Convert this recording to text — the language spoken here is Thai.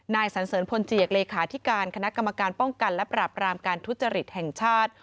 สันเสริญพลเจียกเลขาธิการคณะกรรมการป้องกันและปรับรามการทุจริตแห่งชาติ